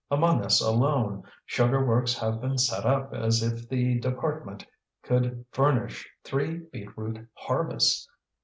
Among us alone sugar works have been set up as if the department could furnish three beetroot harvests.